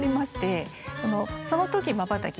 そのときまばたき。